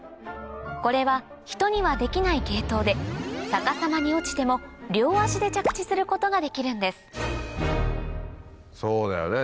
これはヒトにはできない芸当で逆さまに落ちても両足で着地することができるんですそうだよね